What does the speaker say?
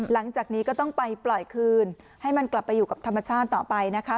หลังจากนี้ก็ต้องไปปล่อยคืนให้มันกลับไปอยู่กับธรรมชาติต่อไปนะคะ